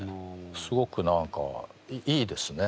すごく何かいいですね